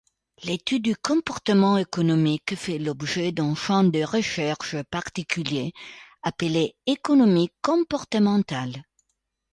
L'étude du comportement économique fait l'objet d'un champ de recherche particulier appelé économie comportementale.